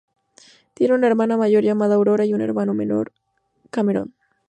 Tiene una hermana mayor llamada Aurora y un hermano menor, Cameron.